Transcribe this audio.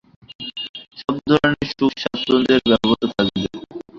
সব ধরনের সুখ স্বাচ্ছন্দ্যের ব্যবস্থা থাকবে।